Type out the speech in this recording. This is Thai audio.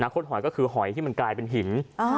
คดหอยก็คือหอยที่มันกลายเป็นหิน